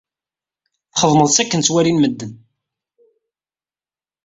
Txedmeḍ-tt akken ttwalin medden.